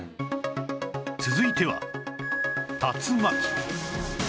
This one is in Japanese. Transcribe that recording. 続いては竜巻